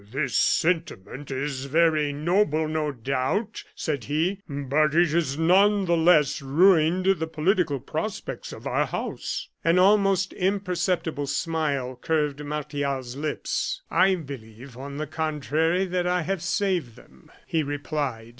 "This sentiment is very noble, no doubt," said he; "but it has none the less ruined the political prospects of our house." An almost imperceptible smile curved Martial's lips. "I believe, on the contrary, that I have saved them," he replied.